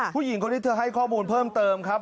ผู้หญิงคนนี้เธอให้ข้อมูลเพิ่มเติมครับ